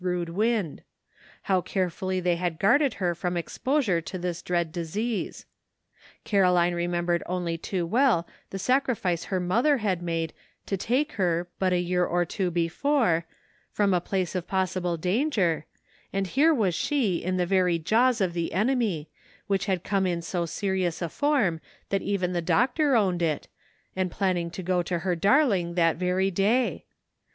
rude wind ; how carefully they had guarded her from exposure to this dread disease! Caro line remembered only too well the sacrifice her mother had made to take her, but a year or two before, from a place of possible danger, and liere was she in the very jaws of the enemy, which had come in so serious a form that even the doctor owned it, and planning to go to her darling that very day.